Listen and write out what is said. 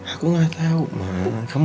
aku gak tau ma